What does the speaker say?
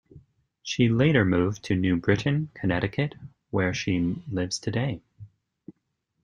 She later moved to New Britain, Connecticut, where she lives today.